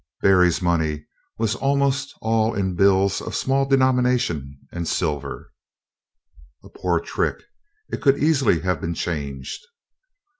"Berry's money was almost all in bills of a small denomination and silver." "A poor trick; it could easily have been changed."